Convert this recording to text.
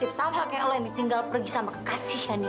apa urusan ya gua yang nempel undangan